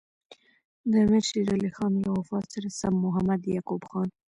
د امیر شېر علي خان له وفات سره سم محمد یعقوب خان.